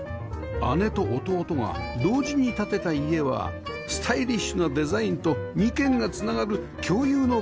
姉と弟が同時に建てた家はスタイリッシュなデザインと２軒がつながる共有の空間